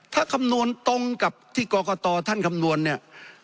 ถ้าคำนวณตรงกับที่กรกตท่านคำนวณเนี่ย